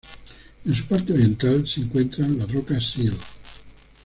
En su parte oriental se encuentran las rocas Seal.